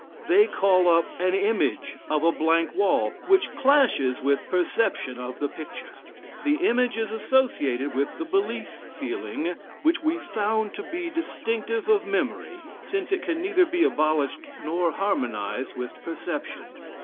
They call up an image of a blank wall, which clashes with perception of the picture. The image is associated with the belief feeling which we found to be distinctive of memory, since it can neither be abolished nor harmonized with perception.